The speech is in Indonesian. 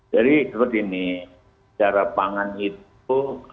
jadi seperti ini secara pangan itu